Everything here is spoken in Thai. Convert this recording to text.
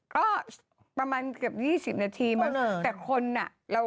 ก็ประมาณเกือบ๒๐นาทีมั้งแต่คนอ่ะ